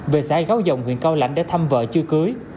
về xã gáo dòng huyện cao lãnh để thăm vợ chư cưới